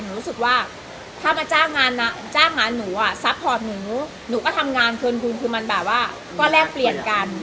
รู้สึกว่าถ้ามาจ้างงานนะจ้างงานหนูอ่ะซัพพอร์ตหนูหนูก็ทำงานเกินทุนคือมันแบบว่าก็แลกเปลี่ยนกัน